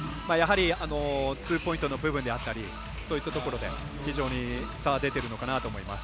ツーポイントの部分だったりそういったところで非常に差は出てるのかなと思います。